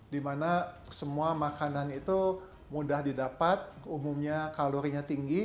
dimana semua makanan itu mudah didapat umumnya kalorinya tinggi